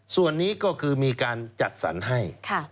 ส่วนนี้ก็คือมีการจัดสรรให้